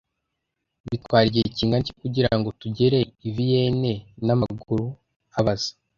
"Bitwara igihe kingana iki kugira ngo tugere i Vienne n'amaguru?" abaza.